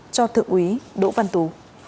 cho thượng úy đỗ văn tú